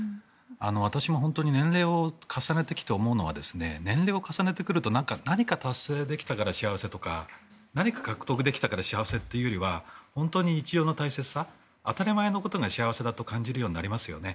私も年齢を重ねてきて思うのは年齢を重ねてくると何か達成できたから幸せとか何か獲得できたから幸せというよりも日常の大切さ当たり前のことが大切だと感じるようになりますよね。